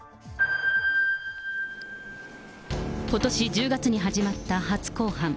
ことし１０月に始まった初公判。